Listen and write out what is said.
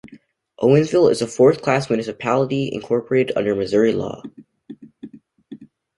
Owensville is a fourth-class municipality incorporated under Missouri law.